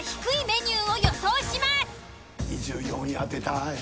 ２４位当てたい。